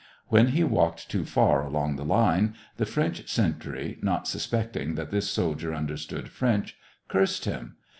When he walked too far along the line, the French sentry, not suspecting that this soldier understood French, cursed him.